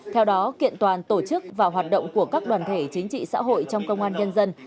theo đó kiện toàn tổ chức và hoạt động của các đoàn thể chính trị xã hội trong công an nhân dân